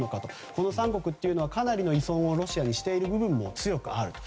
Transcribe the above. この三国というのはかなりの依存をロシアにしているところが強くあると。